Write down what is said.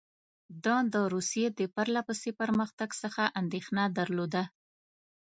ده د روسیې د پرله پسې پرمختګ څخه اندېښنه درلوده.